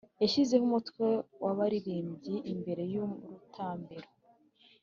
Yashyizeho umutwe w’abaririmbyi imbere y’urutambiro,